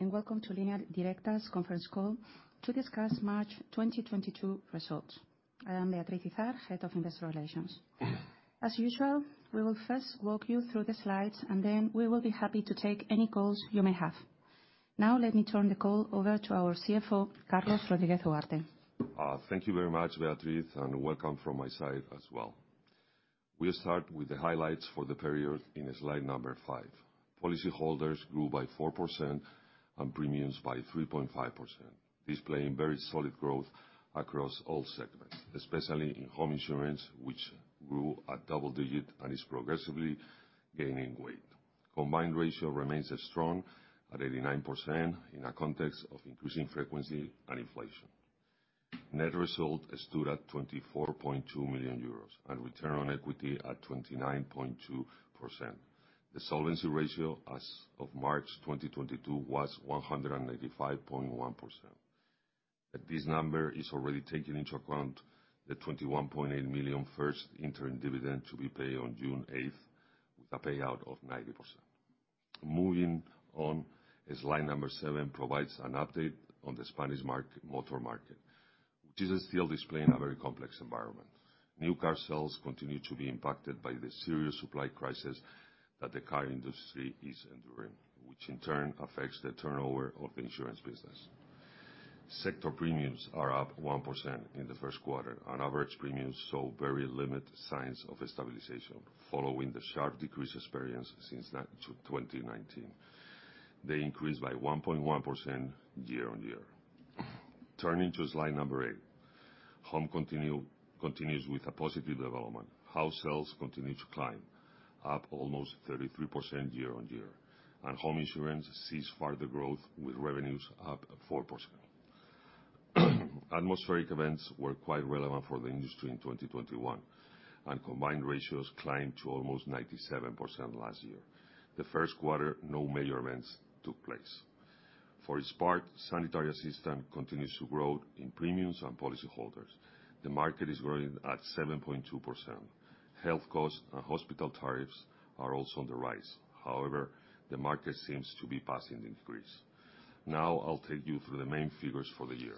Good morning, and Welcome to Línea Directa's Conference Call to Discuss March 2022 Results. I am Beatriz Izard, Head of Investor Relations. As usual, we will first walk you through the slides, and then we will be happy to take any calls you may have. Now, let me turn the call over to our CFO, Carlos Rodriguez-Ugarte. Thank you very much, Beatriz, and welcome from my side as well. We'll start with the highlights for the period in slide number five. Policyholders grew by 4% and premiums by 3.5%, displaying very solid growth across all segments, especially in Home insurance, which grew at double digit and is progressively gaining weight. Combined ratio remains strong at 89% in a context of increasing frequency and inflation. Net result stood at 24.2 million euros and return on equity at 29.2%. The solvency ratio as of March 2022 was 195.1%. This number is already taking into account the 21.8 million first interim dividend to be paid on June 8, with a payout of 90%. Moving on, as slide seven provides an update on the Spanish Motor market, which is still displaying a very complex environment. New car sales continue to be impacted by the serious supply crisis that the car industry is enduring, which in turn affects the turnover of the Insurance business. Sector premiums are up 1% in the first quarter, and average premiums saw very limited signs of stabilization following the sharp decrease experienced since 2019. They increased by 1.1% year-on-year. Turning to slide eight. Home continues with a positive development. House sales continue to climb, up almost 33% year-on-year, and Home insurance sees further growth with revenues up 4%. Atmospheric events were quite relevant for the industry in 2021, and combined ratios climbed to almost 97% last year. The first quarter, no major events took place. For its part, sanitary assistance continues to grow in premiums and policyholders. The market is growing at 7.2%. Health costs and hospital tariffs are also on the rise. However, the market seems to be passing the increase. Now I'll take you through the main figures for the year.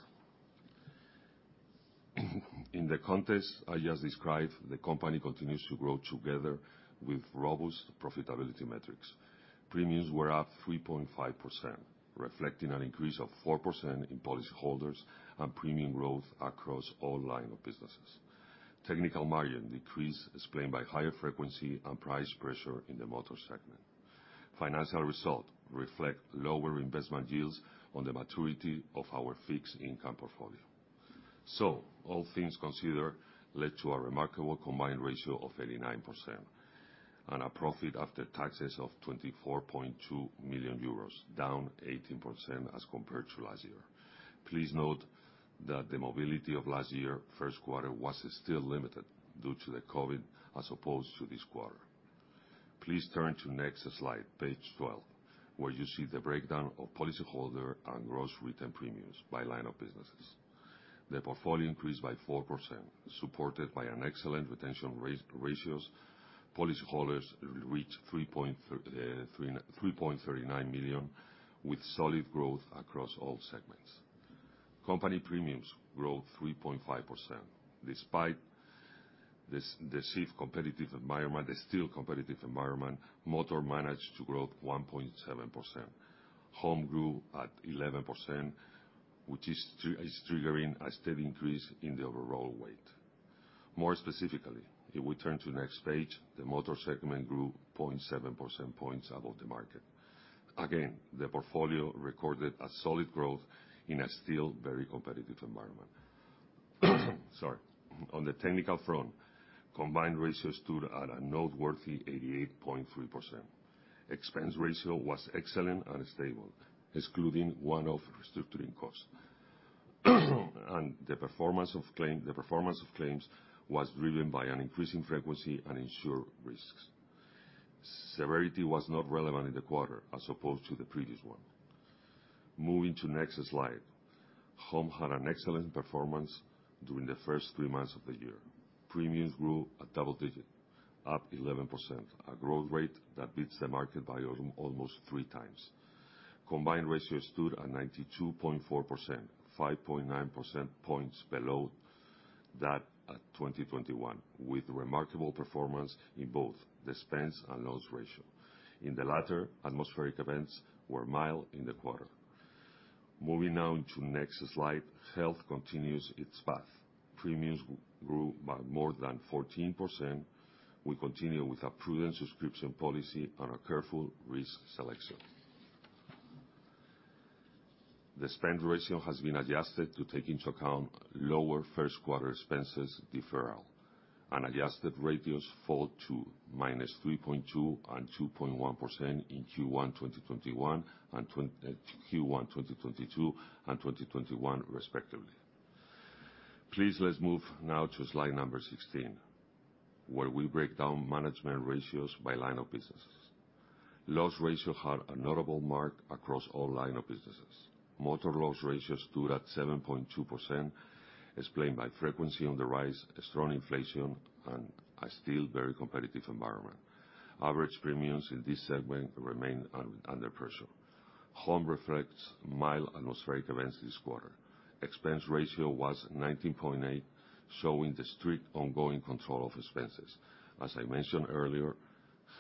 In the context I just described, the company continues to grow together with robust profitability metrics. Premiums were up 3.5%, reflecting an increase of 4% in policyholders and premium growth across all lines of business. Technical margin decreased, explained by higher frequency and price pressure in the motor segment. Financial results reflect lower investment yields on the maturity of our fixed income portfolio. All things considered led to a remarkable combined ratio of 89% and a profit after taxes of 24.2 million euros, down 18% as compared to last year. Please note that the mobility of last year, first quarter, was still limited due to the COVID as opposed to this quarter. Please turn to next slide, page 12, where you see the breakdown of policyholder and gross written premiums by line of businesses. The portfolio increased by 4%, supported by an excellent retention ratios. Policyholders reached 3.39 million, with solid growth across all segments. Company premiums grew 3.5%. Despite the stiff competitive environment, the still competitive environment, motor managed to grow 1.7%. Home grew at 11%, which is triggering a steady increase in the overall weight. More specifically, if we turn to next page, the Motor segment grew 0.7 percentage points above the market. Again, the portfolio recorded a solid growth in a still very competitive environment. Sorry. On the technical front, combined ratio stood at a noteworthy 88.3%. Expense ratio was excellent and stable, excluding one-off restructuring costs. The performance of claims was driven by an increasing frequency and insured risks. Severity was not relevant in the quarter as opposed to the previous one. Moving to next slide. Home had an excellent performance during the first three months of the year. Premiums grew at double-digit, up 11%, a growth rate that beats the market by almost three times. Combined ratio stood at 92.4%, 5.9 percentage points below that at 2021, with remarkable performance in both the expense and loss ratio. In the latter, atmospheric events were mild in the quarter. Moving on to next slide. Health continues its path. Premiums grew by more than 14%. We continue with a prudent subscription policy and a careful risk selection. The expense ratio has been adjusted to take into account lower first quarter expenses deferral, and adjusted ratios fall to -3.2% and 2.1% in Q1 2021, and Q1 2022, and 2021 respectively. Please, let's move now to slide 16, where we break down management ratios by line of business. Loss ratio had a notable mark across all lines of business. Motor loss ratio stood at 7.2%, explained by frequency on the rise, a strong inflation, and a still very competitive environment. Average premiums in this segment remain under pressure. Home reflects mild atmospheric events this quarter. Expense ratio was 19.8, showing the strict ongoing control of expenses. As I mentioned earlier,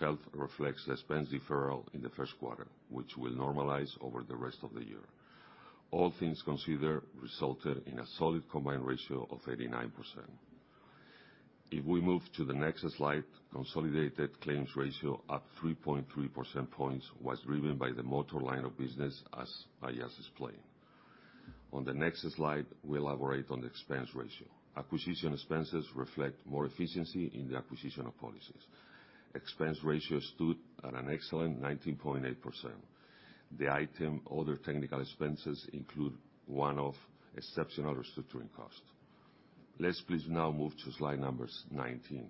health reflects expense deferral in the first quarter, which will normalize over the rest of the year. All things considered resulted in a solid combined ratio of 89%. If we move to the next slide, consolidated claims ratio up 3.3 percentage points was driven by the Motor line of business as I just explained. On the next slide, we elaborate on the expense ratio. Acquisition expenses reflect more efficiency in the acquisition of policies. Expense ratio stood at an excellent 19.8%. The item other technical expenses include one of exceptional restructuring costs. Let's please now move to slide number 19.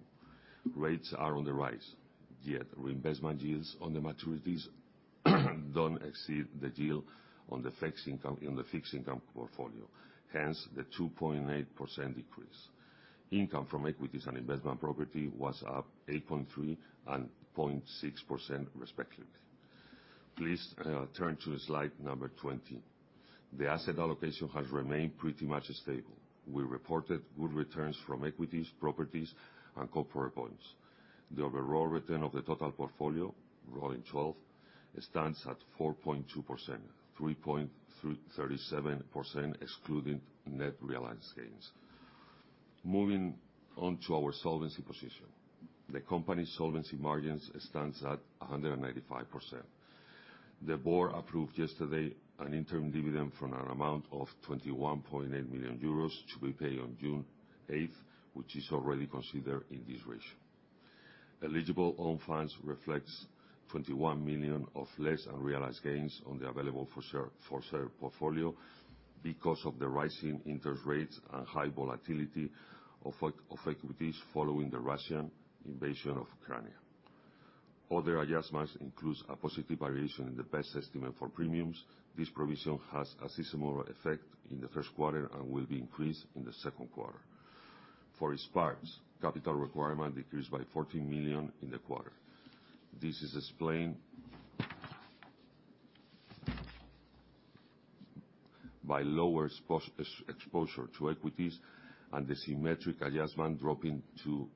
Rates are on the rise, yet reinvestment yields on the maturities don't exceed the yield on the fixed income, in the fixed income portfolio, hence the 2.8% decrease. Income from equities and investment property was up 8.3% and 0.6% respectively. Please, turn to slide number 20. The asset allocation has remained pretty much stable. We reported good returns from equities, properties, and corporate bonds. The overall return of the total portfolio, rolling 12, stands at 4.2%, 3.37% excluding net realized gains. Moving on to our solvency position. The company solvency margins stands at 195%. The board approved yesterday an interim dividend from an amount of 21.8 million euros to be paid on June 8, which is already considered in this ratio. Eligible own funds reflects 21 million of less unrealized gains on the available-for-sale portfolio because of the rising interest rates and high volatility of equities following the Russian invasion of Ukraine. Other adjustments includes a positive variation in the best estimate for premiums. This provision has a seasonal effect in the first quarter and will be increased in the second quarter. For SCRs, capital requirement decreased by 14 million in the quarter. This is explained by lower exposure to equities and the symmetric adjustment dropping to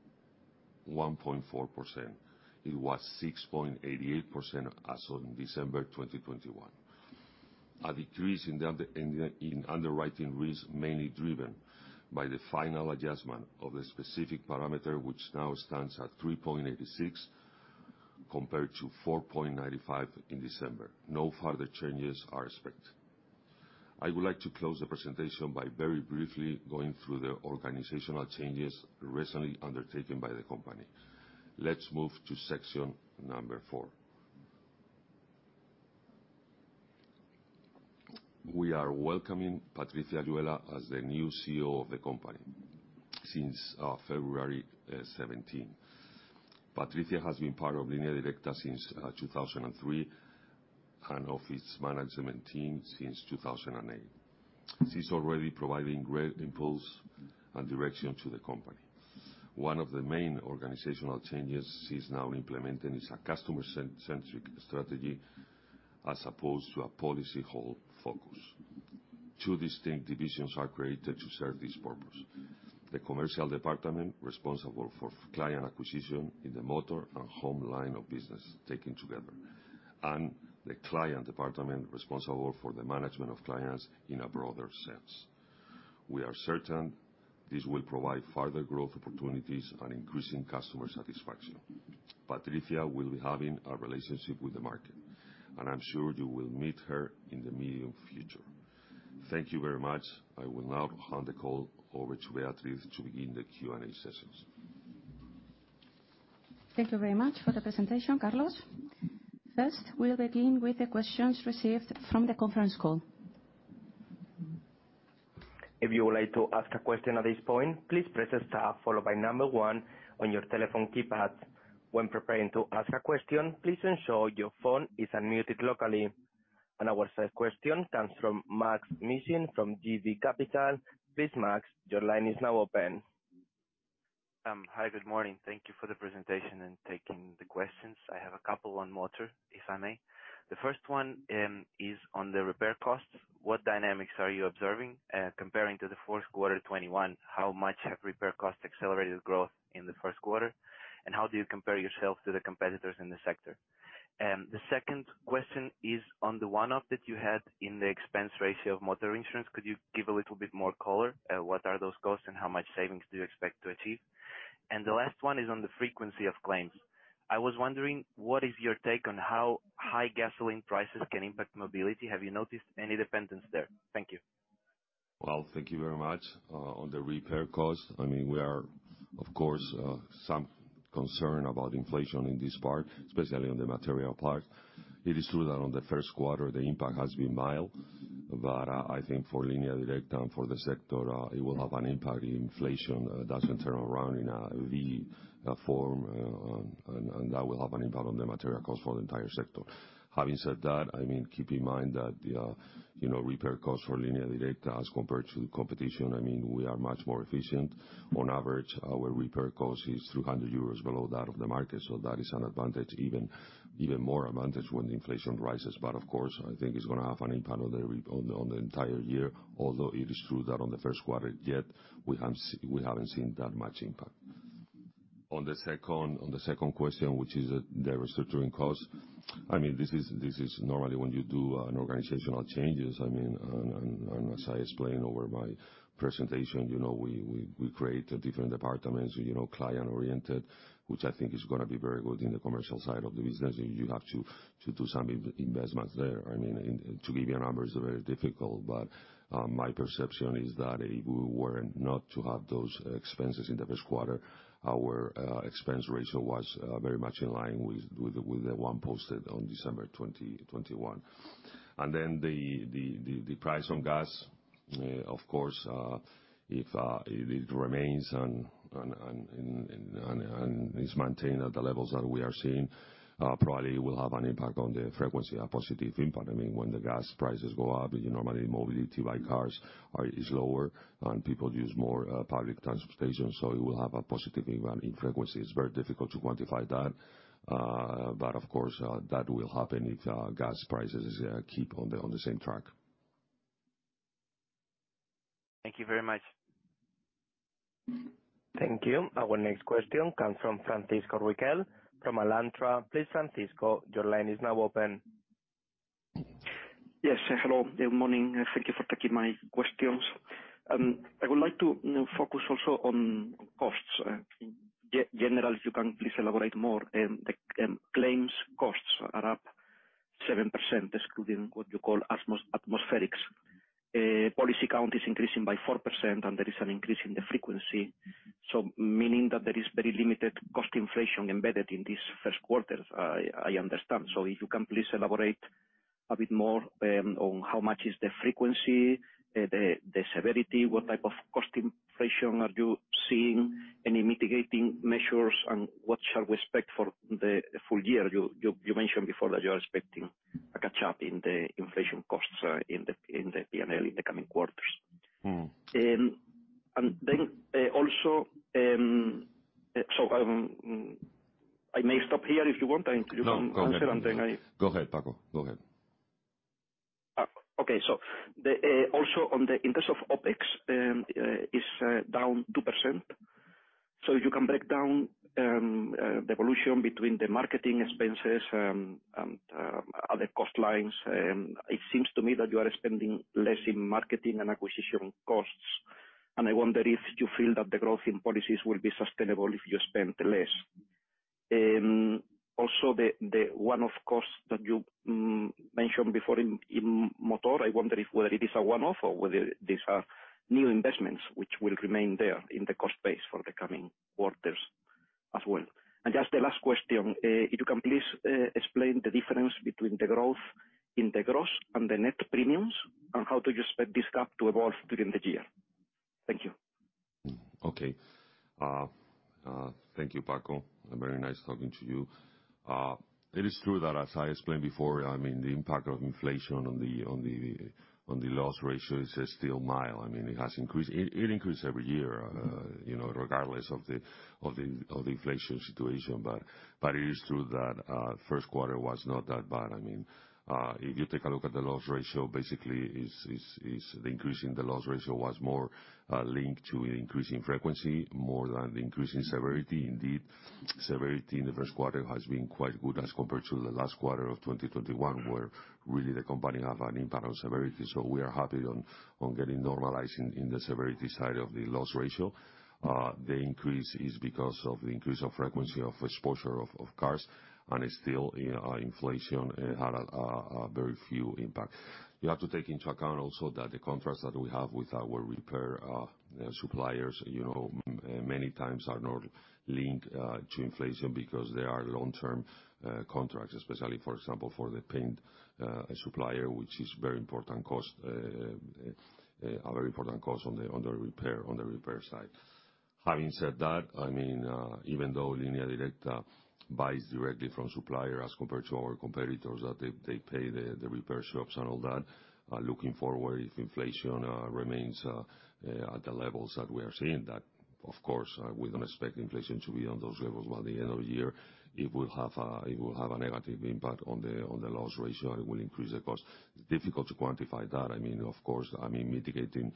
1.4%. It was 6.88% as of December 2021. A decrease in the underwriting risk mainly driven by the final adjustment of the specific parameter, which now stands at 3.86 compared to 4.95 in December. No further changes are expected. I would like to close the presentation by very briefly going through the organizational changes recently undertaken by the company. Let's move to section number four. We are welcoming Patricia Ayuela as the new CEO of the company since February 17th. Patricia has been part of Línea Directa since 2003, and of its management team since 2008. She's already providing great impulse and direction to the company. One of the main organizational changes she's now implementing is a customer-centric strategy as opposed to a policyholder focus. Two distinct divisions are created to serve this purpose. The commercial department, responsible for client acquisition in the motor and home line of business taken together. The client department, responsible for the management of clients in a broader sense. We are certain this will provide further growth opportunities and increasing customer satisfaction. Patricia will be having a relationship with the market, and I'm sure you will meet her in the medium future. Thank you very much. I will now hand the call over to Beatriz to begin the Q&A sessions. Thank you very much for the presentation, Carlos. First, we'll begin with the questions received from the conference call. If you would like to ask a question at this point, please press star followed by one on your telephone keypads. When preparing to ask a question, please ensure your phone is unmuted locally. Our first question comes from Maksym Mishyn from JB Capital Markets. Please, Maksym, your line is now open. Hi, good morning. Thank you for the presentation and taking the questions. I have a couple on motor, if I may. The first one is on the repair costs. What dynamics are you observing, comparing to the fourth quarter 2021? How much have repair costs accelerated growth in the first quarter? How do you compare yourself to the competitors in the sector? The second question is on the one-off that you had in the expense ratio of Motor Insurance. Could you give a little bit more color? What are those costs and how much savings do you expect to achieve? The last one is on the frequency of claims. I was wondering what is your take on how high gasoline prices can impact mobility. Have you noticed any dependence there? Thank you. Well, thank you very much. On the repair costs, I mean, we have some concern about inflation in this part, especially on the material part. It is true that on the first quarter the impact has been mild. I think for Línea Directa and for the sector, it will have an impact. Inflation doesn't turn around in a V form, and that will have an impact on the material cost for the entire sector. Having said that, I mean, keep in mind that the, you know, repair cost for Línea Directa as compared to the competition, I mean, we are much more efficient. On average, our repair cost is 300 euros below that of the market. That is an advantage even more when the inflation rises. Of course, I think it's gonna have an impact on the entire year, although it is true that on the first quarter yet we haven't seen that much impact. On the second question, which is the restructuring cost, I mean, this is normally when you do an organizational changes, I mean, and as I explained over my presentation, you know, we create different departments, you know, client oriented, which I think is gonna be very good in the commercial side of the business. You have to do some investments there. I mean, to give you a number is very difficult, but my perception is that if we were not to have those expenses in the first quarter, our expense ratio was very much in line with the one posted on December 2021. The price on gas, of course, if it remains and is maintained at the levels that we are seeing, probably will have an impact on the frequency, a positive impact. I mean, when the gas prices go up, you know, normally mobility by cars is lower and people use more public transportation, so it will have a positive impact in frequency. It's very difficult to quantify that. Of course, that will happen if gas prices keep on the same track. Thank you very much. Thank you. Our next question comes from Francisco Riquel from Alantra. Please, Francisco, your line is now open. Yes. Hello. Good morning. Thank you for taking my questions. I would like to, you know, focus also on costs. General, if you can please elaborate more, the claims costs are up 7%, excluding what you call atmospherics. Policy count is increasing by 4% and there is an increase in the frequency. Meaning that there is very limited cost inflation embedded in this first quarter, I understand. If you can please elaborate a bit more, on how much is the frequency, the severity, what type of cost inflation are you seeing, any mitigating measures, and what shall we expect for the full year? You mentioned before that you are expecting a catch-up in the inflation costs, in the P&L in the coming quarters. Mm-hmm. I may stop here if you want and you can answer. No, go ahead. And then I- Go ahead, Paco. Go ahead. Also, in terms of OpEx, is down 2%. If you can break down the evolution between the marketing expenses and other cost lines. It seems to me that you are spending less on marketing and acquisition costs, and I wonder if you feel that the growth in policies will be sustainable if you spend less. Also, the one-off costs that you mentioned before in Motor, I wonder if it is a one-off or whether these are new investments which will remain there in the cost base for the coming quarters as well. Just the last question, if you can please explain the difference between the growth in the gross and the net premiums, and how do you expect this gap to evolve during the year? Thank you. Okay. Thank you, Paco. Very nice talking to you. It is true that as I explained before, I mean the impact of inflation on the loss ratio is still mild. I mean, it has increased. It increased every year, you know, regardless of the inflation situation. It is true that first quarter was not that bad. I mean, if you take a look at the loss ratio, basically the increase in the loss ratio was more linked to an increase in frequency more than the increase in severity. Indeed, severity in the first quarter has been quite good as compared to the last quarter of 2021, where really the company have an impact on severity. We are happy on getting normalizing in the severity side of the loss ratio. The increase is because of the increase of frequency of exposure of cars and still inflation had a very little impact. You have to take into account also that the contracts that we have with our repair suppliers, you know, many times are not linked to inflation because they are long-term contracts, especially, for example, for the paint supplier, which is a very important cost on the repair side. Having said that, I mean, even though Línea Directa buys directly from supplier as compared to our competitors, that they pay the repair shops and all that, looking forward, if inflation remains at the levels that we are seeing, that of course we don't expect inflation to be on those levels by the end of the year, it will have a negative impact on the loss ratio. It will increase the cost. Difficult to quantify that. I mean, of course, mitigating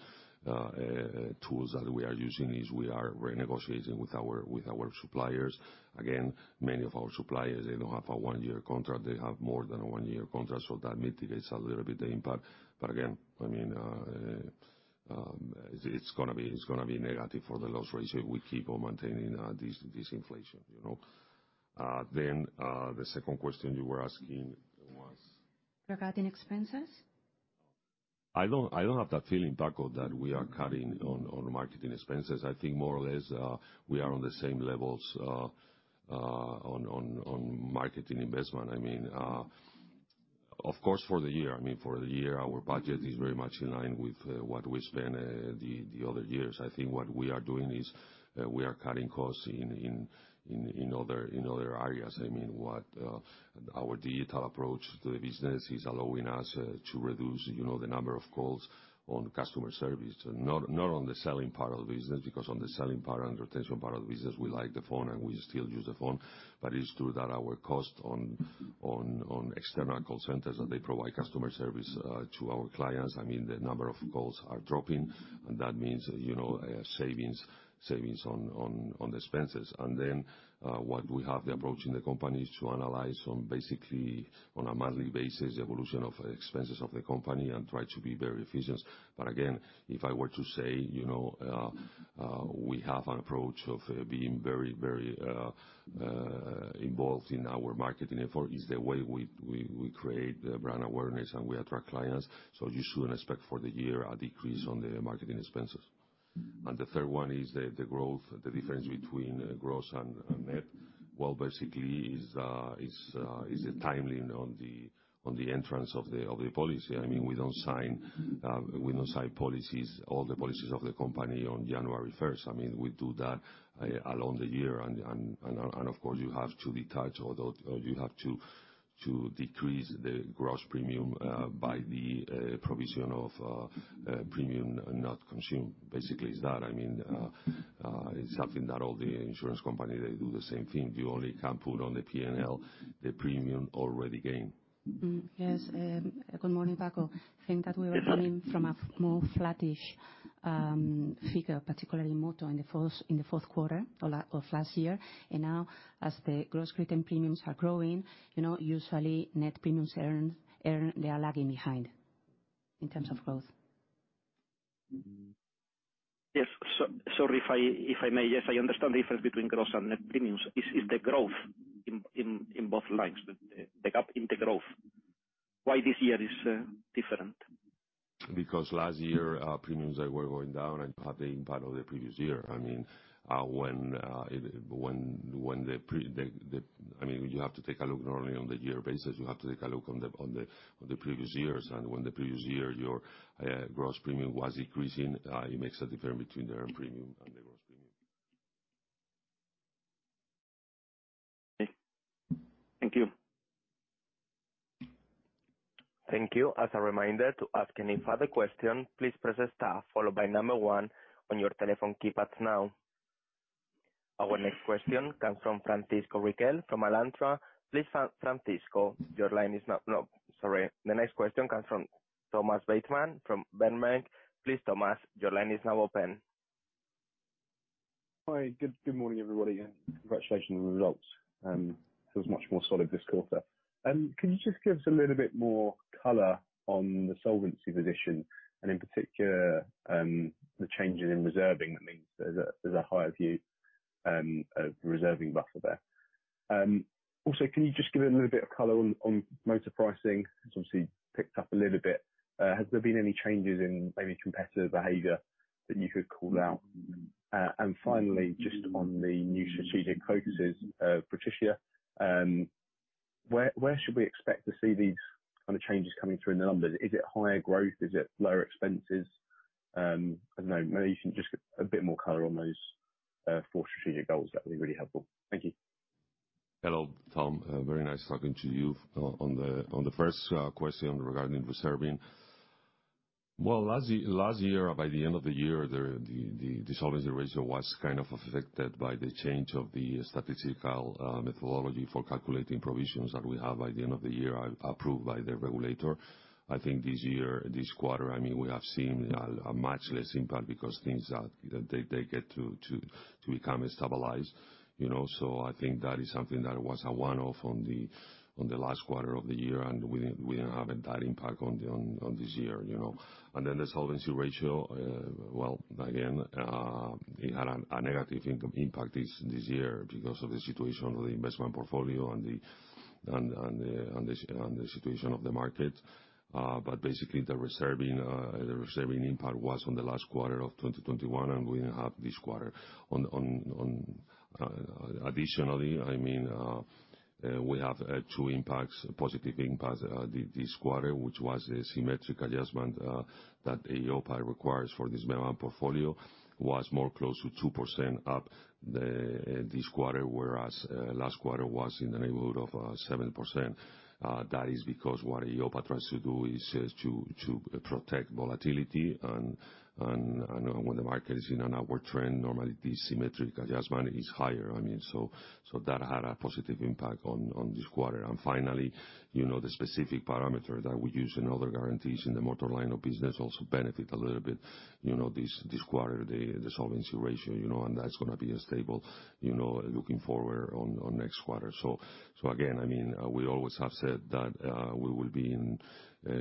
tools that we are using is we are renegotiating with our suppliers. Again, many of our suppliers, they don't have a one-year contract. They have more than a one-year contract, so that mitigates a little bit the impact. Again, I mean, it's gonna be negative for the loss ratio if we keep on maintaining this inflation, you know? Then, the second question you were asking was? Regarding expenses. I don't have that feeling, Paco, that we are cutting on marketing expenses. I think more or less we are on the same levels on marketing investment. I mean, of course, for the year. I mean, for the year, our budget is very much in line with what we spent the other years. I think what we are doing is we are cutting costs in other areas. I mean, what our digital approach to the business is allowing us to reduce, you know, the number of calls on customer service and not on the selling part of the business, because on the selling part and retention part of the business, we like the phone and we still use the phone. It is true that our cost on external call centers, and they provide customer service to our clients. I mean, the number of calls are dropping and that means, you know, savings on the expenses. What we have the approach in the company is to analyze basically on a monthly basis evolution of expenses of the company and try to be very efficient. If I were to say, you know, we have an approach of being very involved in our marketing effort, it's the way we create brand awareness and we attract clients. You shouldn't expect for the year a decrease on the marketing expenses. The third one is the growth, the difference between gross and net. Well, basically, it's the timing on the entrance of the policy. I mean, we don't sign policies, all the policies of the company on January first. I mean, we do that along the year and of course you have to decrease the gross premium by the provision for unearned premium. Basically, it's that. I mean, it's something that all the insurance companies do the same thing. You only can put on the P&L the premium already earned. Good morning, Paco. I think that we are coming. Good morning. from a more flattish figure, particularly motor in the fourth quarter of last year. Now as the gross written premiums are growing, usually net premiums earned they are lagging behind in terms of growth. Mm-hmm. Sorry. If I may. Yes, I understand the difference between gross and net premiums. Is the growth in both lines, the gap in the growth, why this year is different? Because last year premiums that were going down and had the impact of the previous year. I mean, you have to take a look not only on the year basis. You have to take a look on the previous years. When the previous year your gross premium was increasing, it makes a difference between the earned premium and the gross premium. Thank you. Thank you. As a reminder, to ask any further question, please press star followed by one on your telephone keypads now. No, sorry. The next question comes from Thomas Bateman from Berenberg. Please, Thomas, your line is now open. Hi. Good morning, everybody, and congratulations on the results. It feels much more solid this quarter. Could you just give us a little bit more color on the solvency position and in particular, the changes in reserving? That means there's a higher view of reserving buffer there. Also, can you just give a little bit of color on motor pricing? It's obviously picked up a little bit. Has there been any changes in maybe competitor behavior that you could call out? Finally, just on the new strategic focuses of Patricia Ayuela, where should we expect to see these kind of changes coming through in the numbers? Is it higher growth? Is it lower expenses? I don't know. Maybe you can just a bit more color on those four strategic goals, that'd be really helpful. Thank you. Hello, Tom. Very nice talking to you. On the first question regarding reserving. Well, last year, by the end of the year, the solvency ratio was kind of affected by the change of the statistical methodology for calculating provisions that we have by the end of the year approved by the regulator. I think this year, this quarter, I mean, we have seen a much less impact because things are, they get to become stabilized, you know. I think that is something that was a one-off on the last quarter of the year and we didn't have that impact on this year, you know. The solvency ratio, it had a negative impact this year because of the situation of the investment portfolio and the situation of the market. Basically the reserving impact was on the last quarter of 2021, and we didn't have this quarter. Additionally, I mean, we have two positive impacts this quarter, which was a Symmetric Adjustment that EIOPA requires for this portfolio, was more close to 2% up this quarter, whereas last quarter was in the neighborhood of 7%. That is because what EIOPA tries to do is to protect volatility and when the market is in an upward trend, normally the Symmetric Adjustment is higher. I mean, so that had a positive impact on this quarter. Finally, you know, the specific parameter that we use in other guarantees in the Motor line of business also benefit a little bit, you know, this quarter, the solvency ratio, you know, and that's gonna be stable, you know, looking forward to next quarter. Again, I mean, we always have said that we will be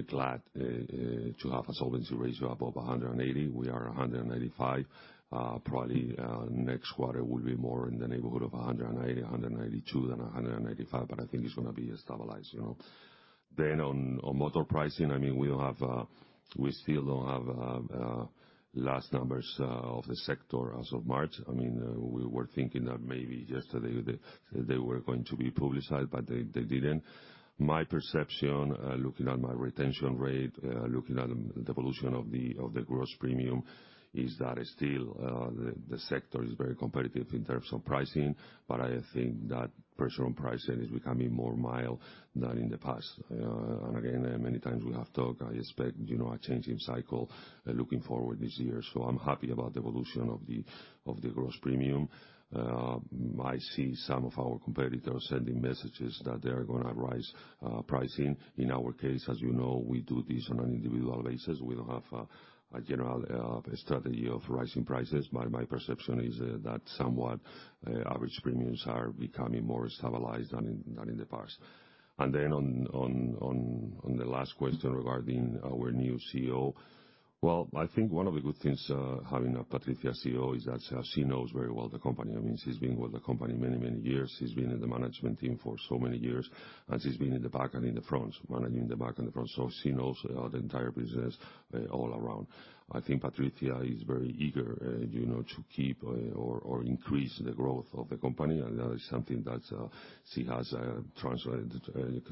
glad to have a solvency ratio above 180%. We are 195%. Probably, next quarter will be more in the neighborhood of 180%, 192% than 185%, but I think it's gonna be stabilized, you know. On motor pricing, I mean, we still don't have last numbers of the sector as of March. I mean, we were thinking that maybe yesterday they were going to be publicized, but they didn't. My perception, looking at my retention rate, looking at the evolution of the gross premium is that still the sector is very competitive in terms of pricing, but I think that pressure on pricing is becoming more mild than in the past. Again, many times we have talked, I expect, you know, a changing cycle looking forward this year. I'm happy about the evolution of the gross premium. I see some of our competitors sending messages that they are gonna rise pricing. In our case, as you know, we do this on an individual basis. We don't have a general strategy of raising prices. My perception is that somewhat average premiums are becoming more stabilized than in the past. Then on the last question regarding our new CEO. Well, I think one of the good things having Patricia Ayuela CEO is that she knows very well the company. I mean, she's been with the company many years. She's been in the management team for so many years, and she's been in the back and in the front, managing the back and the front. She knows the entire business all around. I think Patricia is very eager, you know, to keep or increase the growth of the company, and that is something that she has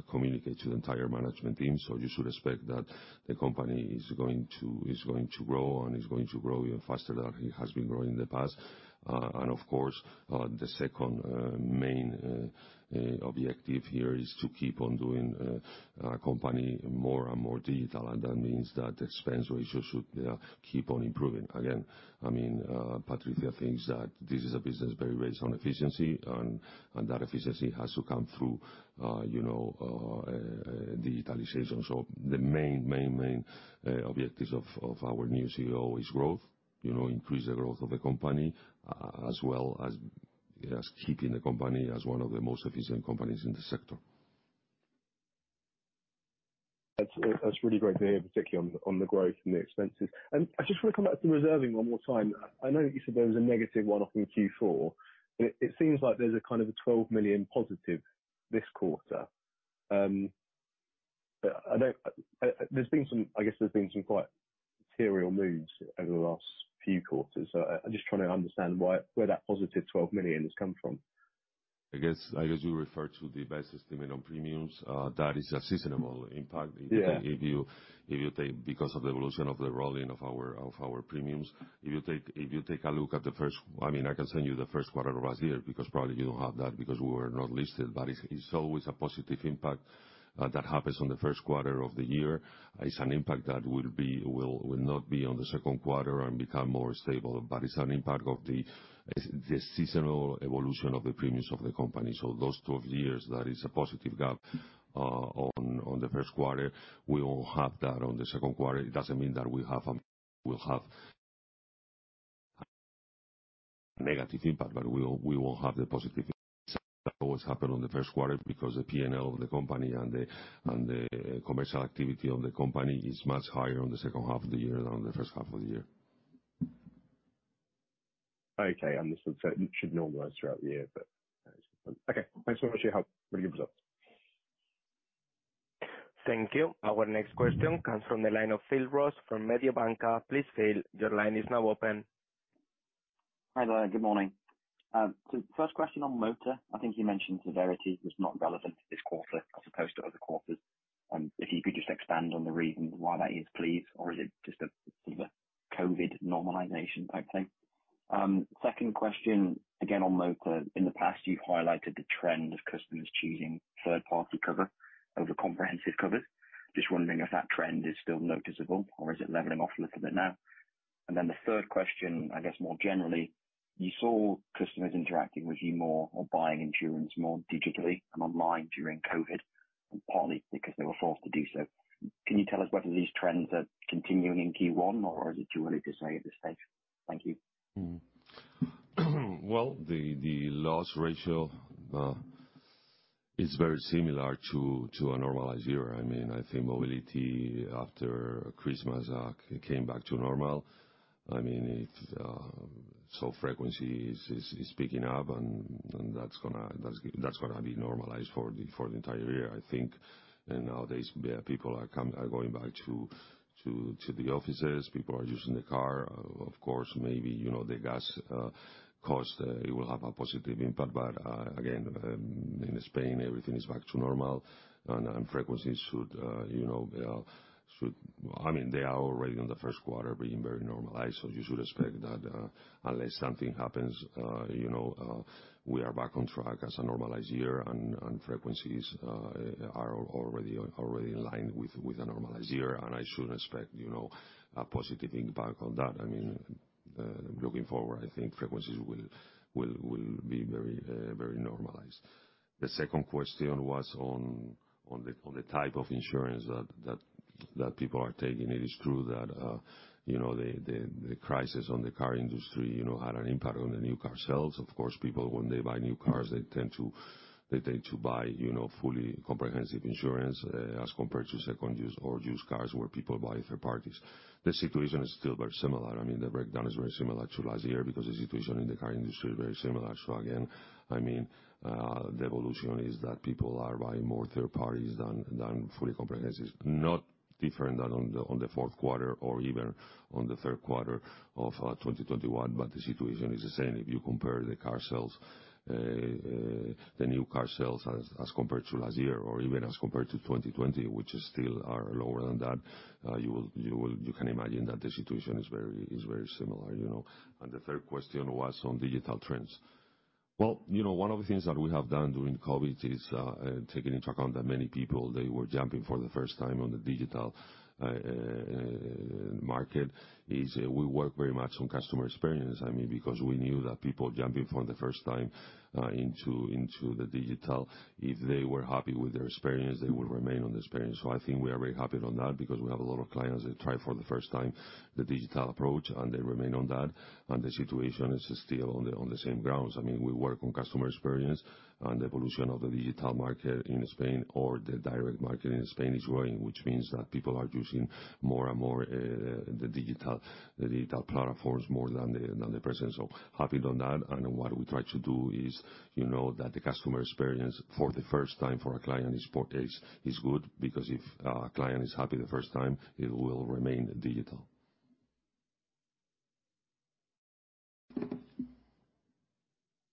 communicated to the entire management team. You should expect that the company is going to grow and grow even faster than it has been growing in the past. Of course, the second main objective here is to keep on making the company more and more digital, and that means that the expense ratio should keep on improving. Again, I mean, Patricia thinks that this is a business very based on efficiency and that efficiency has to come through you know digitalization. The main objectives of our new CEO is growth. You know, increase the growth of the company as well as keeping the company as one of the most efficient companies in the sector. That's really great to hear, particularly on the growth and the expenses. I just wanna come back to the reserving one more time. I know that you said there was a -1-off in Q4, but it seems like there's a kind of a 12 million+ this quarter. But there's been some, I guess, quite material moves over the last few quarters. I'm just trying to understand why, where that +12 million has come from. I guess you refer to the best estimate on premiums. That is a seasonal impact. Yeah. If you take because of the evolution of the rolling of our premiums. If you take a look at the first. I mean, I can send you the first quarter of last year because probably you don't have that because we were not listed. It's always a positive impact that happens on the first quarter of the year. It's an impact that will not be on the second quarter and become more stable. It's an impact of the seasonal evolution of the premiums of the company. Those 12 years, that is a positive gap on the first quarter. We all have that on the second quarter. It doesn't mean that we'll have negative impact, but we won't have the positive impact that always happen on the first quarter because the P&L of the company and the commercial activity of the company is much higher on the second half of the year than on the first half of the year. Okay. This should normalize throughout the year. Okay. Thanks so much for your help. Really gives up. Thank you. Our next question comes from the line of Phil Ross from Mediobanca. Please, Phil, your line is now open. Hi there. Good morning. First question on motor. I think you mentioned severity was not relevant to this quarter as opposed to other quarters. If you could just expand on the reasons why that is, please, or is it just a, sort of, a COVID normalization type thing? Second question, again on motor. In the past, you've highlighted the trend of customers choosing third-party cover over comprehensive covers. Just wondering if that trend is still noticeable or is it leveling off a little bit now? The third question, I guess more generally. You saw customers interacting with you more or buying insurance more digitally and online during COVID, and partly because they were forced to do so. Can you tell us whether these trends are continuing in Q1, or is it too early to say at this stage? Thank you. Well, the loss ratio is very similar to a normalized year. I mean, I think mobility after Christmas came back to normal. I mean, frequency is picking up and that's gonna be normalized for the entire year, I think. Nowadays people are going back to the offices. People are using the car. Of course, maybe, you know, the gas cost will have a positive impact. Again, in Spain, everything is back to normal and frequencies should, you know, I mean, they are already in the first quarter being very normalized. You should expect that, unless something happens, you know, we are back on track as a normalized year and frequencies are already in line with a normalized year, and I shouldn't expect, you know, a positive impact on that. I mean, looking forward, I think frequencies will be very normalized. The second question was on the type of insurance that people are taking. It is true that, you know, the crisis on the car industry had an impact on the new car sales. Of course, people when they buy new cars, they tend to buy, you know, fully comprehensive insurance, as compared to second use or used cars where people buy third parties. The situation is still very similar. I mean, the breakdown is very similar to last year because the situation in the car industry is very similar. Again, I mean, the evolution is that people are buying more third parties than fully comprehensive. Not different than on the fourth quarter or even on the third quarter of 2021. The situation is the same if you compare the car sales, the new car sales as compared to last year or even as compared to 2020, which is still are lower than that. You can imagine that the situation is very similar, you know. The third question was on digital trends. Well, you know, one of the things that we have done during COVID is taking into account that many people they were jumping for the first time on the digital market is we work very much on customer experience. I mean, because we knew that people jumping for the first time into the digital, if they were happy with their experience, they will remain on the experience. I think we are very happy on that because we have a lot of clients that try for the first time the digital approach, and they remain on that, and the situation is still on the same grounds. I mean, we work on customer experience and the evolution of the digital market in Spain or the direct market in Spain is growing, which means that people are using more and more the digital platforms more than the person. So happy on that. What we try to do is, you know, that the customer experience for the first time for a client is positive is good because if our client is happy the first time, it will remain digital.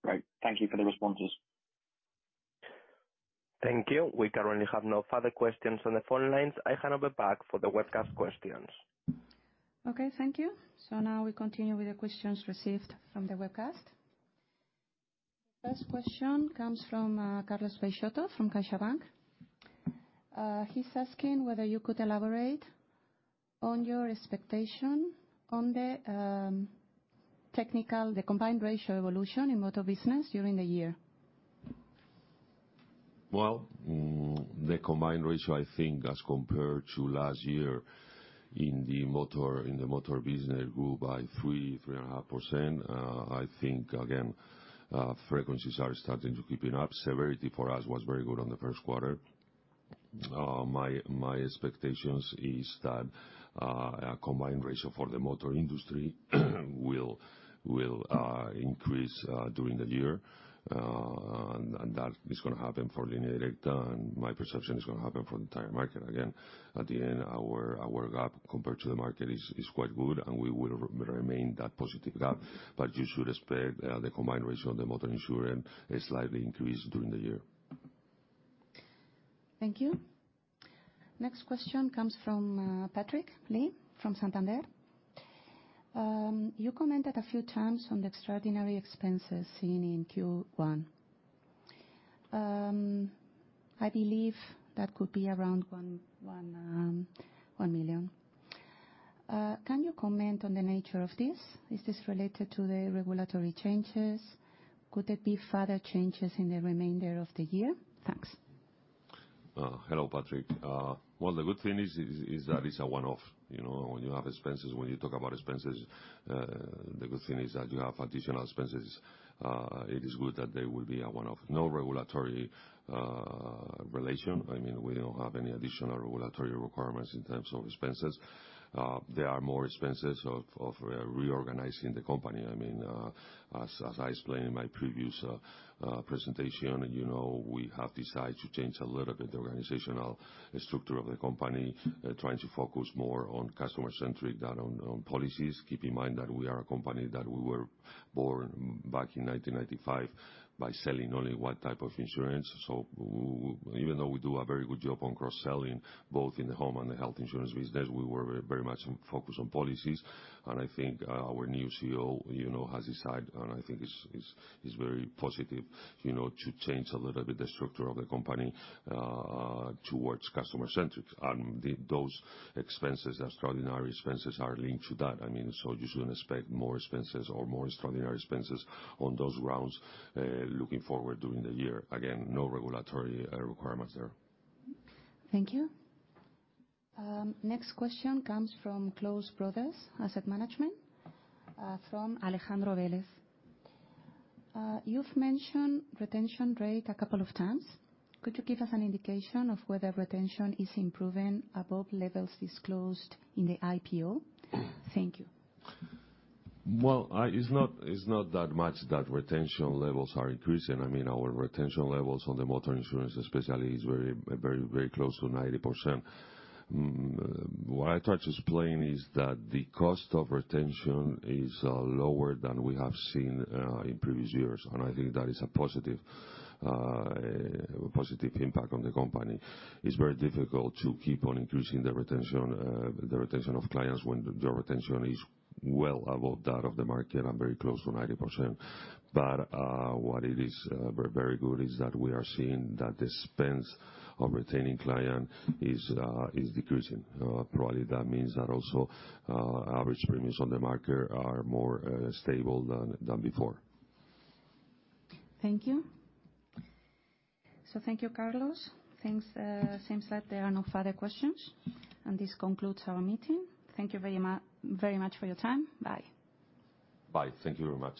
Great. Thank you for the responses. Thank you. We currently have no further questions on the phone lines. I hand over back for the webcast questions. Okay. Thank you. Now we continue with the questions received from the webcast. First question comes from Carlos Peixoto from CaixaBank. He's asking whether you could elaborate on your expectation on the combined ratio evolution in motor business during the year. The combined ratio, I think, as compared to last year in the motor business grew by 3.5%. I think, again, frequencies are starting to keep up. Severity for us was very good on the first quarter. My expectations is that a combined ratio for the motor industry will increase during the year, and that is gonna happen for Línea Directa, and my perception is gonna happen for the entire market. Again, at the end, our gap compared to the market is quite good and we will remain that positive gap. You should expect the combined ratio of the motor insurance slightly increase during the year. Thank you. Next question comes from Patrick Li from Santander. You commented a few times on the extraordinary expenses seen in Q1. I believe that could be around 1 million. Can you comment on the nature of this? Is this related to the regulatory changes? Could there be further changes in the remainder of the year? Thanks. Hello, Patrick. Well, the good thing is that it's a one-off. You know, when you have expenses, when you talk about expenses, the good thing is that you have additional expenses. It is good that they will be a one-off. No regulatory relation. I mean, we don't have any additional regulatory requirements in terms of expenses. There are more expenses of reorganizing the company. I mean, as I explained in my previous presentation, you know, we have decided to change a little bit the organizational structure of the company, trying to focus more on customer-centric than on policies. Keep in mind that we are a company that we were born back in 1995 by selling only one type of insurance. Even though we do a very good job on cross-selling, both in the home and the health insurance business, we were very much focused on policies. I think our new CEO you know has decided, and I think it's very positive you know to change a little bit the structure of the company towards customer-centric. Those expenses, extraordinary expenses, are linked to that. I mean, you shouldn't expect more expenses or more extraordinary expenses on those grounds looking forward during the year. Again, no regulatory requirements there. Thank you. Next question comes from Close Brothers Asset Management, from Alejandro Velez. You've mentioned retention rate a couple of times. Could you give us an indication of whether retention is improving above levels disclosed in the IPO? Thank you. Well, it's not that much that retention levels are increasing. I mean, our retention levels on the motor insurance especially is very close to 90%. What I try to explain is that the cost of retention is lower than we have seen in previous years, and I think that is a positive impact on the company. It's very difficult to keep on increasing the retention of clients when the retention is well above that of the market and very close to 90%. What it is very good is that we are seeing that the spends of retaining client is decreasing. Probably that means that also average premiums on the market are more stable than before. Thank you. Thank you, Carlos. Thanks. Seems that there are no further questions. This concludes our meeting. Thank you very much for your time. Bye. Bye. Thank you very much.